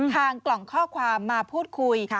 กล่องข้อความมาพูดคุย